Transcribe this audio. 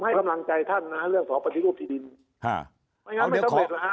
ผมให้กำลังใจท่านนะเรื่องของปฏิรูปที่ดินฮ่า